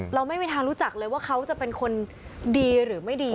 เราไม่มีทางรู้จักเลยว่าเขาจะเป็นคนดีหรือไม่ดี